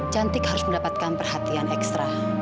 cantik harus mendapatkan perhatian ekstra